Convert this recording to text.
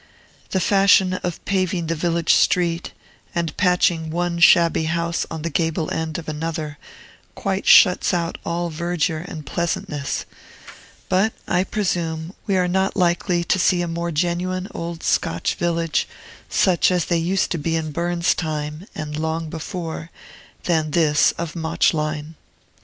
The fashion of paving the village street, and patching one shabby house on the gable end of another, quite shuts out all verdure and pleasantness; but, I presume, we are not likely to see a more genuine old Scotch village, such as they used to be in Burns's time, and long before, than this of Mauchline.